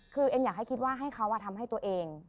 คือเอ็นอยากให้คิดว่าให้เขาทำให้ตัวเอง